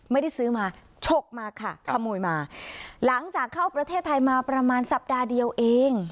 ไม่ได้ซื้อมาฉกมาค่ะขโมยมาหลังจากเข้าประเทศไทยมาประมาณสัปดาห์เดียวเอง